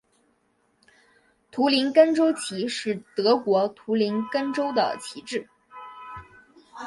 图林根州旗是德国图林根州的旗帜。